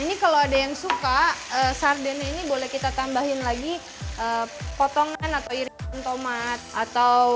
ini kalau ada yang suka sarden ini boleh kita tambahin lagi potongan atau iringan tomat atau